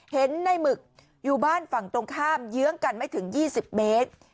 เห็นในหมึกอยู่บ้านฝั่งตรงข้ามเยื้องกันไม่ถึง๒๐เมตร